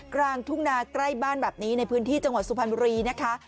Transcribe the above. กลางทุ่งนาใกล้บ้านแบบนี้ในพื้นที่จังหวัดสุพรรณบุรีนะคะ